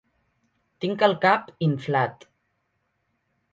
Tinc el cap inflat.